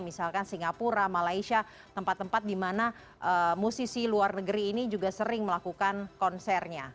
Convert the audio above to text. misalkan singapura malaysia tempat tempat di mana musisi luar negeri ini juga sering melakukan konsernya